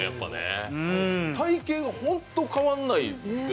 体型、本当に変わらない。